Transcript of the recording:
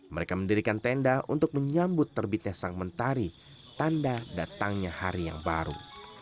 mereka mendirikan tenda untuk menyambut terbitnya sang mentari tanda datangnya hari yang baru